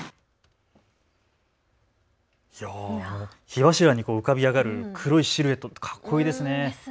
火柱に浮かび上がる黒いシルエットかっこいいですね。